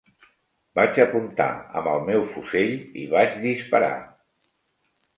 Vaig apuntar amb el meu fusell i vaig disparar